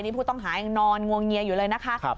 นี่ผู้ต้องหายังนอนงวงเงียอยู่เลยนะคะ